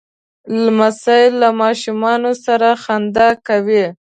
لمسی له ماشومانو سره خندا کوي.